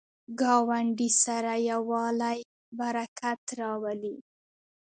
ګاونډي سره یووالی، برکت راولي